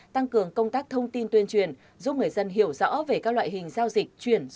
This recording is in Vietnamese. tăng cường công tác thông tin tuyên truyền